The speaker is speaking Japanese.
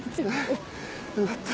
よかった。